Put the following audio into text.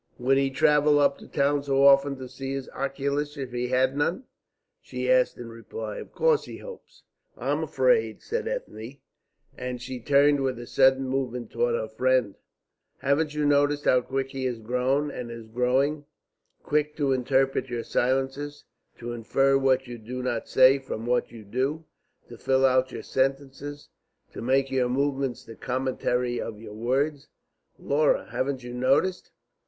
"Would he travel up to town so often to see his oculist if he had none?" she asked in reply. "Of course he hopes." "I am afraid," said Ethne, and she turned with a sudden movement towards her friend. "Haven't you noticed how quick he has grown and is growing? Quick to interpret your silences, to infer what you do not say from what you do, to fill out your sentences, to make your movements the commentary of your words? Laura, haven't you noticed?